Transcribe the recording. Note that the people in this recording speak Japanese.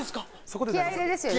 気合入れですよね？